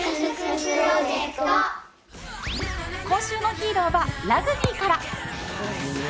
今週のヒーローはラグビーから。